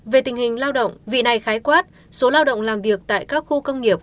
về tình hình lao động vị này khái quát số lao động làm việc tại các khu công nghiệp